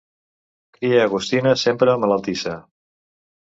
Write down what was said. Cria agostina, sempre malaltissa.